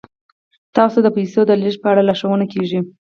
تاسو ته د پیسو د لیږد په اړه لارښوونه کیږي.